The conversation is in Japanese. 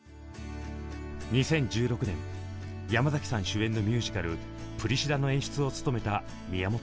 ２０１６年山崎さん主演のミュージカル「プリシラ」の演出を務めた宮本さん。